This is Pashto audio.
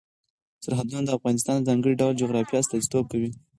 سرحدونه د افغانستان د ځانګړي ډول جغرافیه استازیتوب کوي.